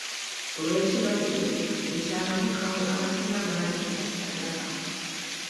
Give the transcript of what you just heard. Olw'ekirwadde ekyabalukawo abasinga baali tebakyalaba.